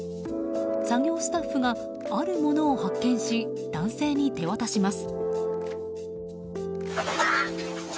作業スタッフがあるものを発見し男性に手渡します。